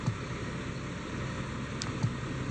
Clifton Williams considered "The Ramparts" his favorite work.